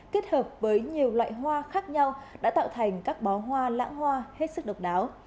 kết hợp với nhiều loại hoa khác nhau đã tạo thành các bó hoa lãng hoa hết sức độc đáo